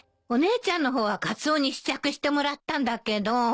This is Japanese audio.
お姉ちゃんの方はカツオに試着してもらったんだけど。